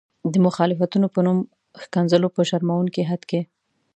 د مخالفتونو په نوم ښکنځلو په شرموونکي حد کې.